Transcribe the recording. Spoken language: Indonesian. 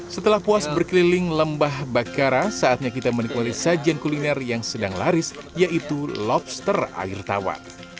setelah puas berkeliling lembah bakara saatnya kita menikmati sajian kuliner yang sedang laris yaitu lobster air tawar